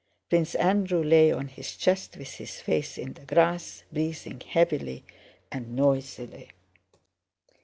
Prince Andrew lay on his chest with his face in the grass, breathing heavily and noisily.